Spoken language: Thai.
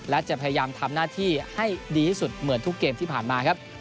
และจะพยายามทำหน้าที่ให้ดีที่สุดเหมือนทุกเกมที่ผ่านมาครับ